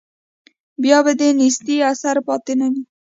بیا به د نیستۍ اثر پاتې نه وي.